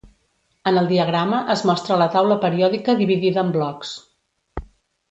En el diagrama es mostra la taula periòdica dividida en blocs.